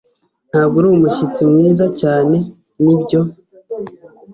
Ntabwo uri umushyitsi mwiza cyane, nibyo?